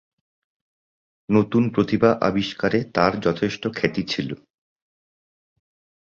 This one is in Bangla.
নতুন প্রতিভা আবিষ্কারে তার যথেষ্ট খ্যাতি ছিল।